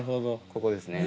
ここですね。